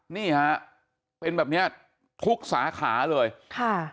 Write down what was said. นี่ฮะเป็นแบบเนี้ยทุกสาขาเลยค่ะ